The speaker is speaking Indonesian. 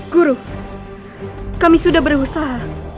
guru kami sudah berusaha